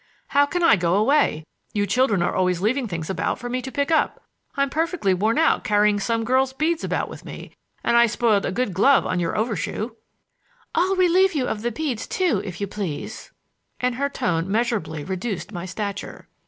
"How can I go away! You children are always leaving things about for me to pick up. I'm perfectly worn out carrying some girl's beads about with me; and I spoiled a good glove on your overshoe." "I'll relieve you of the beads, too, if you please." And her tone measurably reduced my stature.